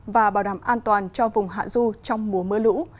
và bảo đảm an toàn cho vùng hạ du trong mùa mưa lũ